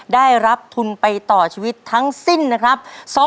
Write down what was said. ได้รับทุนไปต่อชีวิตทั้งสิ้นนะครับ